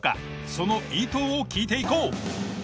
その意図を聞いていこう。